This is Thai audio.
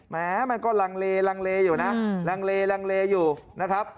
แม้มันก็ลังเลอยู่นะลังเลอยู่นะครับ